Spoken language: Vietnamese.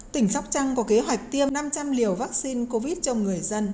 tỉnh sóc trăng có kế hoạch tiêm năm trăm linh liều vaccine covid cho người dân